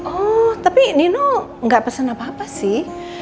oh tapi nino nggak pesan apa apa sih